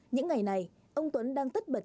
những ngày này ông tuấn đang tất bật